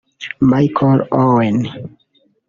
Michael Owen